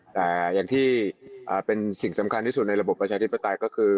แต่อย่างที่เป็นสิ่งสำคัญที่สุดในระบบประชาธิปไตยก็คือ